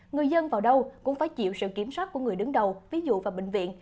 người dân vào đâu cũng phải chịu sự kiểm soát của người đứng đầu ví dụ và bệnh viện